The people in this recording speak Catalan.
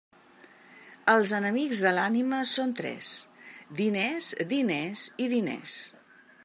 Els enemics de l'ànima són tres: diners, diners i diners.